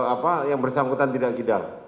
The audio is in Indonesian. apa yang bersangkutan tidak gidal